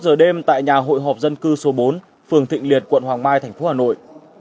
hai mươi một giờ đêm tại nhà hội họp dân cư số bốn phường thịnh liệt quận hoàng mai tp hà nội